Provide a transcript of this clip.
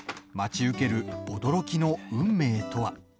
待ち受ける驚きの運命とは。